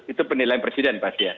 itu penilaian presiden pasti ya